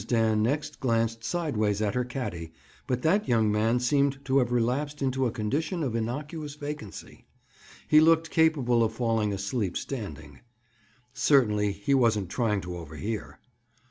Dan next glanced sidewise at her caddy, but that young man seemed to have relapsed into a condition of innocuous vacancy. He looked capable of falling asleep standing. Certainly he wasn't trying to overhear.